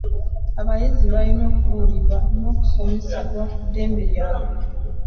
Abayizi balina okubuulirwa n'okusomesebwa ku ddembe lyabwe.